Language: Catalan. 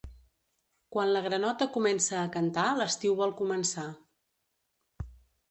Quan la granota comença a cantar l'estiu vol començar.